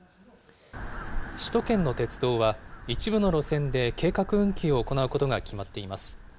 首都圏の鉄道は、一部の路線で計画運休を行うことが決まっています。